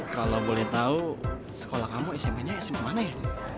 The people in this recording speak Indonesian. kalau boleh tahu sekolah kamu smp nya sma mana ya